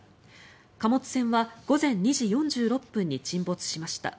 貨物船は午前２時４６分に沈没しました。